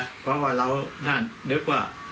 เพราะว่าเรานั่นนึกว่า